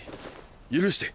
許して。